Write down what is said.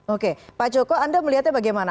oke pak joko anda melihatnya bagaimana